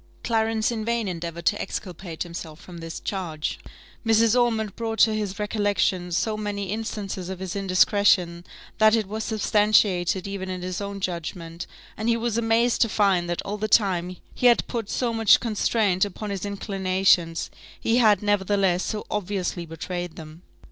Clarence in vain endeavoured to exculpate himself from this charge: Mrs. Ormond brought to his recollection so many instances of his indiscretion, that it was substantiated even in his own judgment, and he was amazed to find that all the time he had put so much constraint upon his inclinations, he had, nevertheless, so obviously betrayed them.